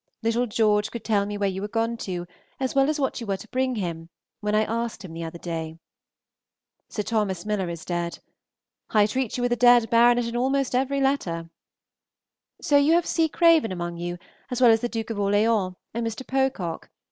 Little George could tell me where you were gone to, as well as what you were to bring him, when I asked him the other day. Sir Tho. Miller is dead. I treat you with a dead baronet in almost every letter. So you have C. Craven among you, as well as the Duke of Orleans and Mr. Pocock.